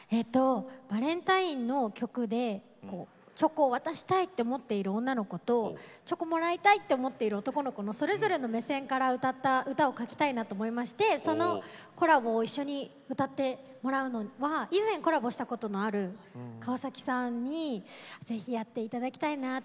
バレンタインの曲でチョコを渡したいって思っている女の子とチョコもらいたいって思っている男の子のそれぞれの目線から歌った歌を書きたいなと思いましてそのコラボを一緒に歌ってもらうのは以前コラボしたことのある川崎さんにぜひやっていただきたいなって。